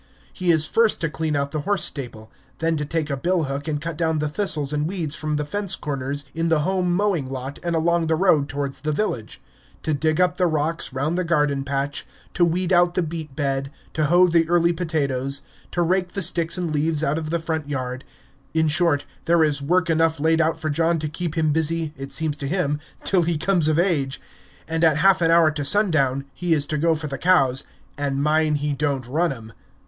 He is first to clean out the horse stable; then to take a bill hook and cut down the thistles and weeds from the fence corners in the home mowing lot and along the road towards the village; to dig up the docks round the garden patch; to weed out the beet bed; to hoe the early potatoes; to rake the sticks and leaves out of the front yard; in short, there is work enough laid out for John to keep him busy, it seems to him, till he comes of age; and at half an hour to sundown he is to go for the cows "and mind he don't run 'em!"